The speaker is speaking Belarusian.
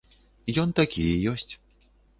Ён такі і ёсць.